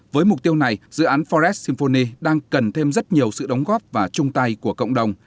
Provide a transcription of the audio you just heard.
với mục tiêu này dự án forest symphony đang cần thêm rất nhiều sự đóng góp và chung tay của cộng đồng